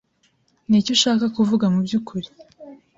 Ni iki ushaka kuvuga mu by'ukuri?